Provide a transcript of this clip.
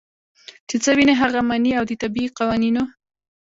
چې څۀ ويني هغه مني او د طبعي قوانینو